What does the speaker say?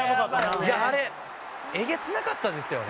いやあれえげつなかったですよね。